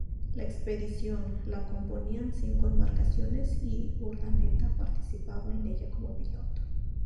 La expedición la componían cinco embarcaciones y Urdaneta participaba en ella como piloto.